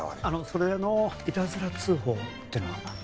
あのそれのいたずら通報ってのは？